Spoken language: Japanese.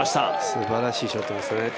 すばらしいショットですね。